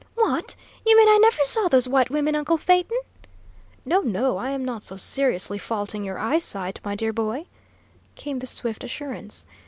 "What! You mean I never saw those white women, uncle Phaeton?" "No, no, I am not so seriously faulting your eyesight, my dear boy," came the swift assurance.